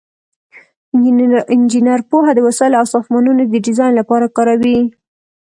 انجینر پوهه د وسایلو او ساختمانونو د ډیزاین لپاره کاروي.